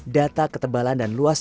data ketebalan dan luas